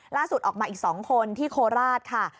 ล่าสุดออกมาอีก๒คนที่โคราชค่ะ